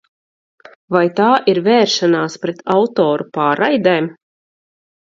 Vai tā ir vēršanās pret autoru pārraidēm?